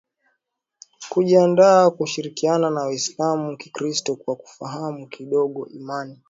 kujiandaa kushirikiana na Waislamu Kikristo kwa kufahamu kidogo imani